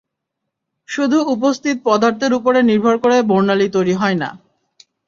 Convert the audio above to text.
শুধু উপস্থিত পদার্থের ওপরে নির্ভর করে বর্ণালি তৈরি হয় না।